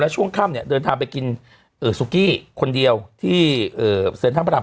และช่วงค่ำเดินทางไปกินสุกี้คนเดียวที่เซ็นทรัพย์ประดับ๙